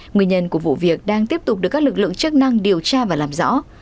nguyên nhân của vụ việc đang tiếp tục được các lực lượng chức năng điều tra và làm rõ